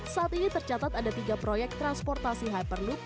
saat ini tercatat ada tiga proyek transportasi hyperlop